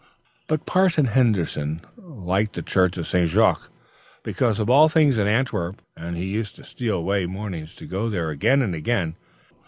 But Parson Henderson liked the church of St. Jacques best of all things in Antwerp, and he used to steal away mornings to go there again and again.